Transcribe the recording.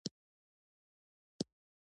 دافغانستان د اسلامي جمهوریت رئیس